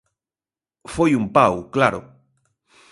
Foi un pau, claro.